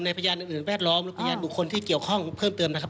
พยานอื่นแวดล้อมหรือพยานบุคคลที่เกี่ยวข้องเพิ่มเติมนะครับ